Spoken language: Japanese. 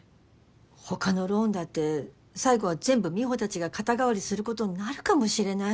他のローンだって最後は全部美帆たちが肩代わりすることになるかもしれない。